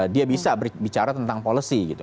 dia bisa bicara tentang policy gitu